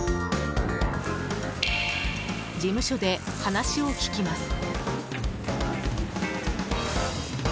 事務所で話を聞きます。